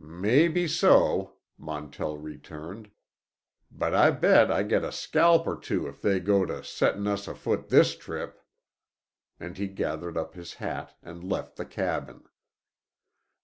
"Maybe so," Montell returned. "But I bet I get a scalp or two if they go to settin' us afoot this trip." And he gathered up his hat and left the cabin.